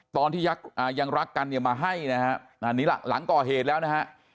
ตอนที่ยังรักกันเนี่ยมาให้นะฮะอันนี้ล่ะหลังก่อเหตุแล้วนะฮะ